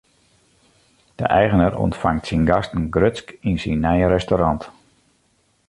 De eigener ûntfangt syn gasten grutsk yn syn nije restaurant.